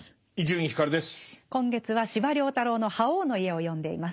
今月は司馬太郎の「覇王の家」を読んでいます。